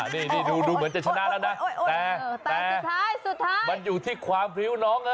นี่ดูเหมือนจะชนะแล้วนะแต่มันอยู่ที่ความผิวน้องเมส